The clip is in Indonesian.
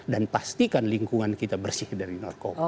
dan pastikan lingkungan kita bersih dari narkoba